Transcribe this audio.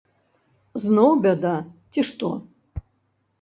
Зноў бяда, ці што?